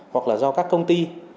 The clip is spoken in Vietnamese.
hoặc là do các công ty